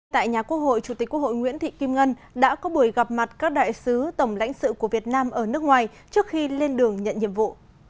tại nhà quốc hội chủ tịch quốc hội nguyễn thị kim ngân đã có buổi gặp mặt các đại sứ tổng lãnh sự của việt nam ở nước ngoài trước khi lên đường nhận nhiệm vụ